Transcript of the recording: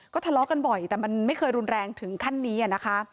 ทะเลาะกันบ่อยแต่มันไม่เคยรุนแรงถึงขั้นนี้นะคะ